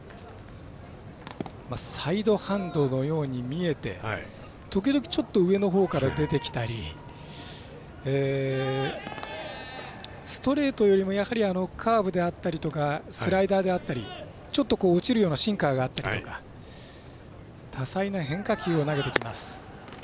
サイドハンドのように見えて時々、上のほうから出てきたりストレートよりも、やはりカーブであったりとかスライダーであったり、ちょっと落ちるようなシンカーがあったり多彩な変化球を投げてきます。